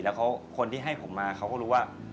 แล้วคนที่ให้ผมมาเขาก็รู้ว่า